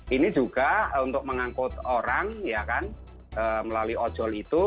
ini juga untuk mengangkut orang melalui ojol itu